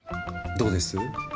どうです？